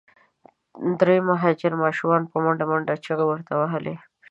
درې مهاجرو ماشومانو په منډه منډه چیغي ورته وهلې.